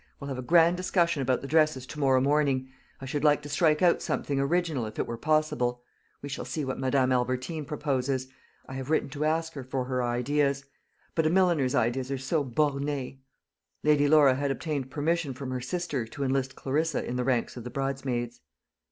We'll have a grand discussion about the dresses to morrow morning. I should like to strike out something original, if it were possible. We shall see what Madame Albertine proposes. I have written to ask her for her ideas; but a milliner's ideas are so bornées." Lady Laura had obtained permission from her sister to enlist Clarissa in the ranks of the bridesmaids.